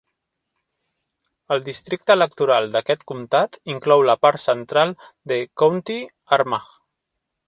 El districte electoral d"aquest comtat inclou la part central de County Armagh.